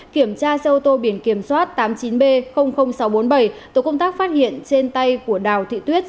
kiểm tra xe ô tô biển kiểm soát tám mươi chín b sáu trăm bốn mươi bảy tổ công tác phát hiện trên tay của đào thị tuyết